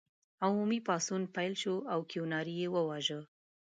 عمومي پاڅون پیل شو او کیوناري یې وواژه.